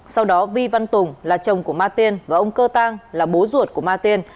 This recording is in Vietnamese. sau đó vi văn tùng là chồng của ma tiên và ông cơ tăng là bố ruột của ma tiên